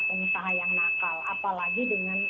pengusaha yang nakal apalagi dengan